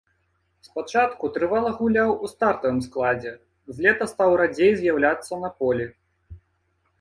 Спачатку трывала гуляў у стартавым складзе, з лета стаў радзей з'яўляцца на полі.